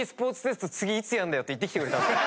言ってきてくれたんすよ。